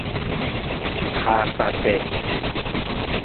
Haasa ati.